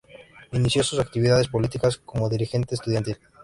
Inició sus actividades políticas como dirigente estudiantil.